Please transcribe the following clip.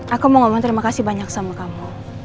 aku mau ngomong terima kasih banyak sama kamu